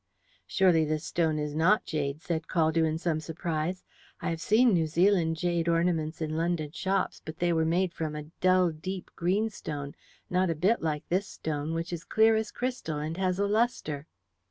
"Surely this stone is not jade?" said Caldew, in some surprise. "I have seen New Zealand jade ornaments in London shops, but they were made from a dull deep greenstone, not a bit like this stone, which is clear as crystal, and has a lustre."